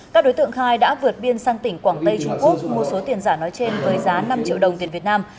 các đối tượng khai đã vượt biên sang tỉnh quảng tây trung quốc mua số tiền giả nói trên với giá năm triệu đồng tiền việt nam